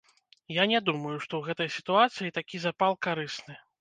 Я не думаю, што ў гэтай сітуацыі такі запал карысны.